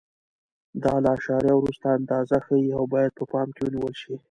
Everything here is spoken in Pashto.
دا له اعشاریه وروسته اندازه ښیي او باید په پام کې ونیول شي.